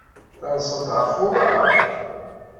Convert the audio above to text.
Terseḍ-d ɣef uḍar?